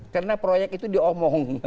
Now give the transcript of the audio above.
karena proyek itu diomong